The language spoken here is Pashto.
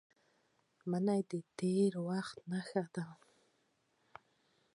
منی د تېر وخت نښه ده